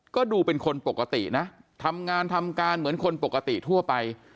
ก็ดูเป็นคนปกตินะทำงานทำการเหมือนคนปกติทั่วไป